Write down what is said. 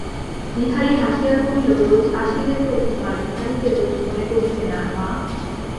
বিহারী হাসিয়া কহিল, রোজ আসিলে তো তোমার বিহারীকে রোজ মনে করিতে না, মা।